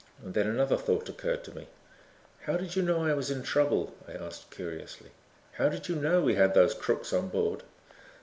Then another thought occurred to me. "How did you know I was in trouble?" I asked curiously. "How did you know we had those crooks on board?"